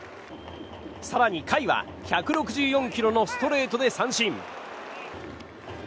更に甲斐は１６４キロのストレートで三振。